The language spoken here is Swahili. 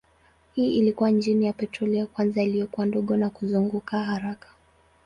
Hii ilikuwa injini ya petroli ya kwanza iliyokuwa ndogo na kuzunguka haraka.